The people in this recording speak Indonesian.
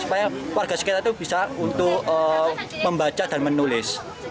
supaya warga sekitar bisa membaca dan menulis